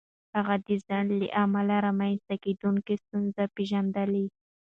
هغه د ځنډ له امله رامنځته کېدونکې ستونزې پېژندلې.